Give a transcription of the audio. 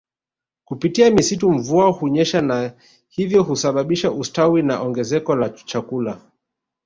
Kupitia misitu mvua hunyesha na hivyo kusababisha ustawi na ongezeko la chakula